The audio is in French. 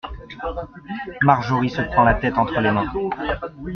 Marjorie se prend la tête entre les mains.